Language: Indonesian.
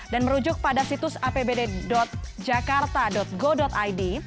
dan merujuk pada situs apbd jakarta go id